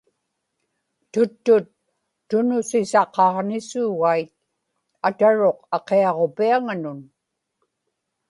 tuttut tunusisaqaġnisuugait, ataruq aqiaġupiaŋanun